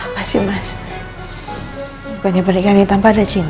misalnya kamu akui apapun